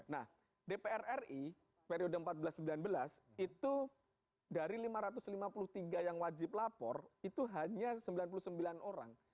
nah dpr ri periode empat belas sembilan belas itu dari lima ratus lima puluh tiga yang wajib lapor itu hanya sembilan puluh sembilan orang